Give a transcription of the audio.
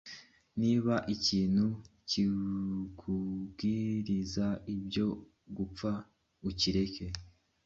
Niba ikintu kikubwiriza ibyo gupfa, ukireke.